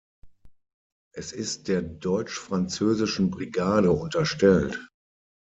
Es ist der Deutsch-Französischen Brigade unterstellt.